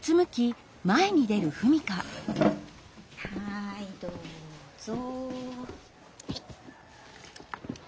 はいどうぞ。